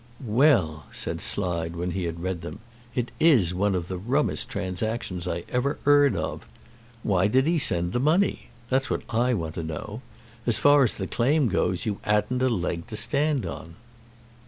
"Well," said Slide, when he had read them; "it is one of the rummest transactions I ever 'eard of. Why did 'e send the money? That's what I want to know. As far as the claim goes, you 'adn't a leg to stand on."